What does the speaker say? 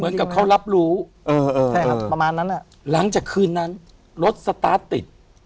เหมือนกับเขารับรู้ใช่ครับประมาณนั้นหลังจากคืนนั้นรถสตาร์ทติด